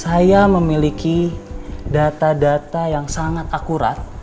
saya memiliki data data yang sangat akurat